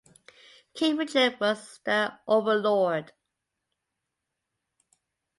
King Richard was the overlord.